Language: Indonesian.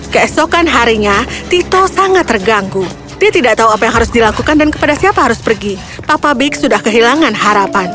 keesokan harinya tito sangat terganggu dia tidak tahu apa yang harus dilakukan dan kepada siapa harus pergi papa big sudah kehilangan harapan